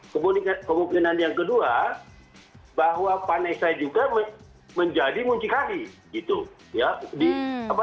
kemungkinan yang kedua bahwa vanessa juga menjadi muncikari gitu ya